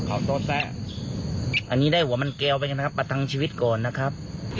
อันนี้ได้หัวมันแก้วไปกันนะครับประทังชีวิตก่อนนะครับ